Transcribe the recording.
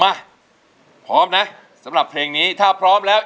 มาพร้อมนะสำหรับเพลงนี้ถ้าพร้อมแล้ว